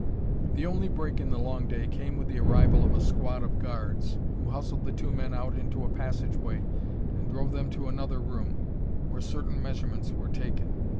The only break in the long day came with the arrival of a squad of guards, who hustled the two men out into a passageway and drove them to another room, where certain measurements were taken.